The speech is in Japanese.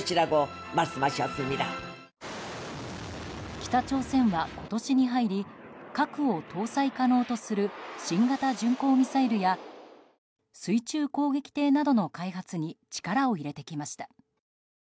北朝鮮は今年に入り核を搭載可能とする新型巡航ミサイルや水中攻撃艇などの開発に力を入れてきました。